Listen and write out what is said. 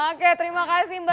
oke terima kasih mbak